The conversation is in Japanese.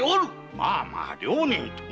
まあまあ両人とも